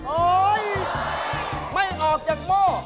โอ๊ยไม่ออกจากหม้อ